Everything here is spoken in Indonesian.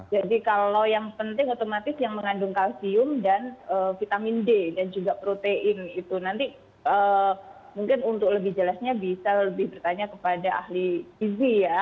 jadi kalau yang penting otomatis yang mengandung kalsium dan vitamin d dan juga protein itu nanti mungkin untuk lebih jelasnya bisa lebih bertanya kepada ahli izi ya